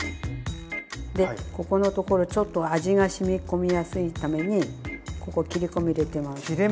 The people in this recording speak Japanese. でここのところちょっと味がしみ込みやすいためにここ切り込み入れてます。